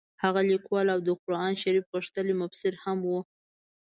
هغه لیکوال او د قران شریف غښتلی مبصر هم وو.